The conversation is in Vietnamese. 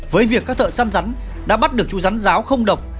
với việc các thợ săn rắn đã bắt được chú rắn giáo không độc